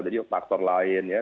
jadi faktor lain ya